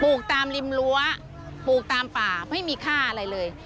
ตามริมรั้วปลูกตามป่าไม่มีค่าอะไรเลย